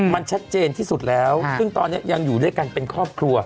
มันชัดเจนที่สุดแล้วซึ่งตอนนี้ยังอยู่ด้วยกันเป็นครอบครัว